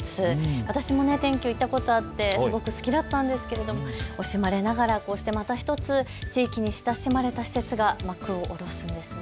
私もＴｅＮＱ行ったことあってすごく好きだったんですけれども惜しまれながらこうしてまた１つ、地域に親しまれた施設が幕を下ろすんですね。